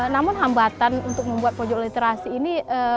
namun hambatan untuk membuat pojok literasi ini